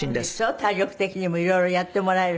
体力的にも色々やってもらえる。